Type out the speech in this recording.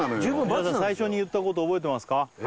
皆さん最初に言ったこと覚えてますか？